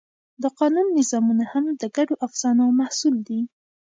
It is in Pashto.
د قانون نظامونه هم د ګډو افسانو محصول دي.